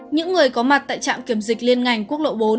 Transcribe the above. những người có mặt tại trạm kiểm dịch liên ngành quốc lộ bốn